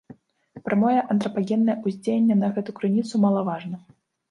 Прамое антрапагеннае ўздзеянне на гэту крыніцу малаважна.